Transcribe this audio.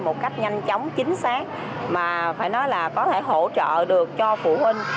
một cách nhanh chóng chính xác mà phải nói là có thể hỗ trợ được cho phụ huynh